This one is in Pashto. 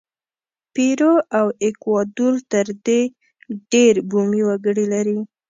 پیرو او ایکوادور تر دې ډېر بومي وګړي لري.